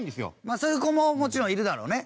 まあそういう子ももちろんいるだろうね。